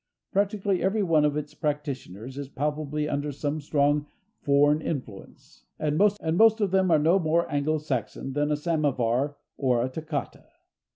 Practically every one of its practitioners is palpably under some strong foreign influence, and most of them are no more Anglo Saxon than a samovar or a toccata.